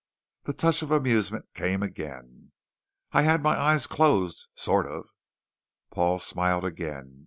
The touch of amusement came again. "I had my eyes closed, sort of." Paul smiled again.